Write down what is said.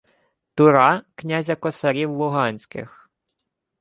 — Тура, князя косарів луганських.